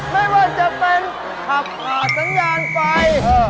ไม่ว่าจะเป็นขับผ่านสัญญาณไฟ